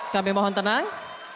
kami mohon tenang